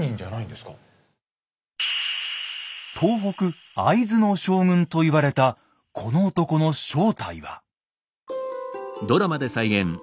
東北会津の将軍と言われたこの男の正体は。